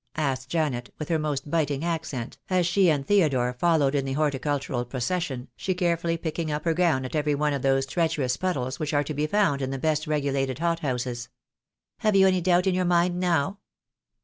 asked Janet, with her most biting accent, as she and Theodore followed in the horticultural procession, she carefully picking up her gown at every one of those treacherous puddles which are to be found in the best regulated hot houses. "Have you any doubt in your mind now?"